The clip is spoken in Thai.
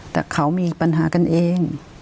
แต่เขามีปัญหากันเอง